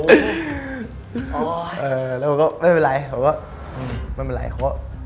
เออแล้วก็ไม่เป็นไรผมก็อืมไม่เป็นไรเขา